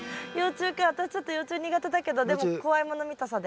私ちょっと幼虫苦手だけどでも怖いもの見たさで。